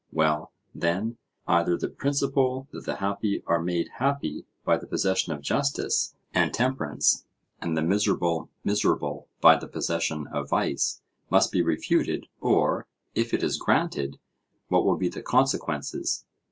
—Well, then, either the principle that the happy are made happy by the possession of justice and temperance, and the miserable miserable by the possession of vice, must be refuted, or, if it is granted, what will be the consequences?